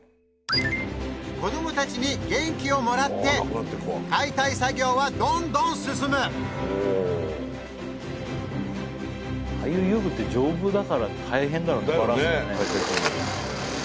子どもたちに元気をもらって解体作業はどんどん進むああいう遊具って丈夫だから大変だろうねバラすの。